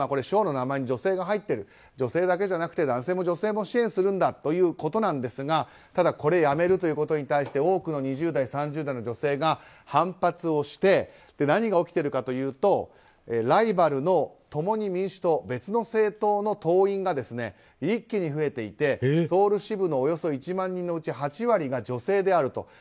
省の名前に女性が入ってる女性だけじゃなくて男性も女性も支援するんだということですがただ、これをやめることに対して多くの２０代３０代の女性が反発をして何が起きているかというとライバルの共に民主党別の政党の党員が一気に増えていてソウル支部のおよそ１万人のうち８割が女性であると。